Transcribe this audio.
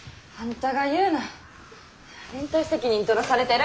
連帯責任取らされてるんや。